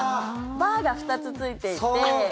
バーが２つ、ついていて。